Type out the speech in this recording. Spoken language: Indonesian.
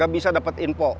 gak bisa dapet info